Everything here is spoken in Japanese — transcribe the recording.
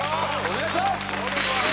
お願いします！